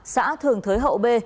xã thường thới hậu b